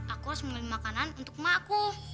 aku harus mengambil makanan untuk emakku